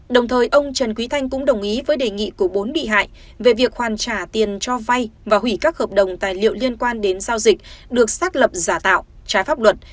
đồng thời ông trần quý thanh cũng đồng ý với đề nghị của bốn bị hại về việc hoàn trả tiền cho vay và hủy các hợp đồng tài liệu liên quan đến giao dịch được xác lập giả tạo trái pháp luật